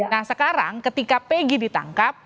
nah sekarang ketika pegi ditangkap